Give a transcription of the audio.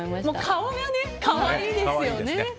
顔がね、可愛いですよね。